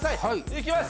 いきます。